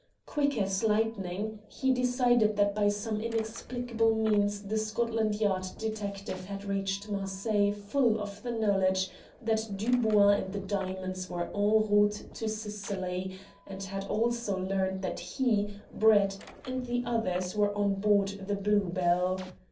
Quick as lightning, he decided that by some inexplicable means the Scotland Yard detective had reached Marseilles full of the knowledge that Dubois and the diamonds were en route to Sicily, and had also learnt that he, Brett, and the others were on board the Blue Bell.